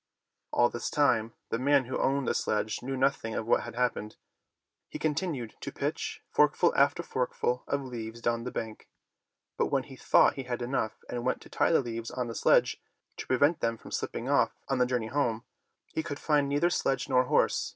All this time the man who owned the sledge knew nothing of what had happened. He continued to pitch forkful after forkful of 172 Fairy Tale Bears leaves down the bank; but when he thought he had enough and went to tie the leaves on the sledge, to prevent them from slipping off on the journey home, he could find neither sledge nor horse.